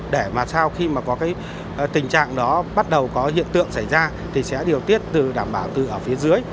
để mà sau khi mà có cái tình trạng đó bắt đầu có hiện tượng xảy ra thì sẽ điều tiết từ đảm bảo từ ở phía dưới